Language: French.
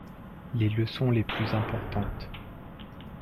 Les leçons les plus importantes.